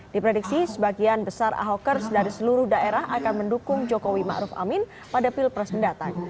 diprediksi sebagian besar ahokers dari seluruh daerah akan mendukung jokowi ⁇ maruf ⁇ amin pada pilpres mendatang